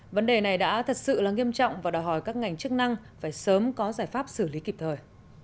vấn đề này đã thật sự là nghiêm trọng và đòi hỏi các ngành chức năng phải sớm có giải pháp xử lý kịp thời